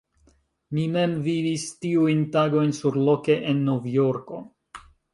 Mi mem vivis tiujn tagojn surloke en Novjorko.